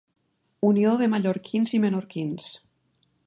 Unió de mallorquins i menorquins.